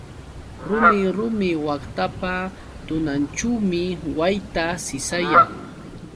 Rumi rumi waqtapa tunaćhuumi wayta sisayan.